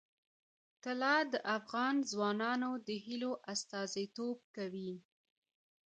طلا د افغان ځوانانو د هیلو استازیتوب کوي.